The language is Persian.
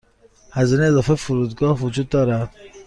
هزینه اضافه فرودگاه وجود دارد.